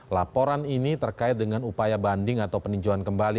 laporan ini terkait dengan upaya banding atau peninjauan kembali